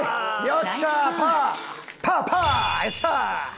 よっしゃー！